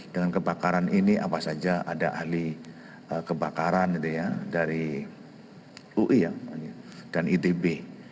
dengan kebakaran ini apa saja ada ahli kebakaran dari ui ya dan itb